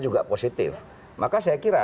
juga positif maka saya kira